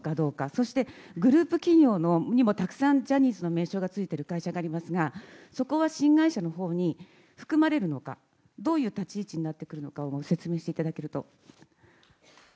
そして、グループ企業にもたくさんジャニーズの名称がついている会社がありますがそこは新会社のほうに含まれるのか、どういう立ち位置になってくるのかをご説明していただけると。